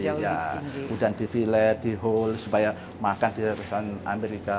kemudian di dilet di haul supaya makan di amerika